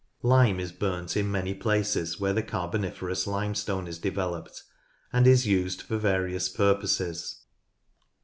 Lime is burnt in many places where the Carboni ferous Limestone is developed, and is used for various purposes.